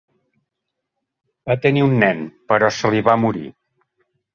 Va tenir un nen, però se li va morir.